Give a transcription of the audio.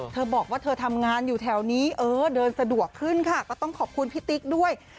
เธอบอกว่าเธอทำงานอยู่แถวนี้เออเดินสะดวกขึ้นค่ะก็ต้องขอบคุณพี่ติ๊กด้วย